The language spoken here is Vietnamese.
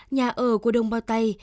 nhà ở của đồng bào tày